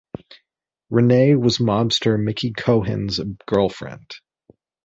Renay was mobster Mickey Cohen's girlfriend.